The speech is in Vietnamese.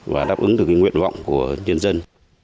và đáp ứng được cái nguyện vọng của nhân dân